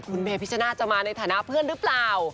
คุณเมพิชนาธิจะมาในฐานะเพื่อนหรือเปล่า